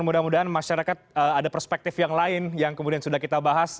mudah mudahan masyarakat ada perspektif yang lain yang kemudian sudah kita bahas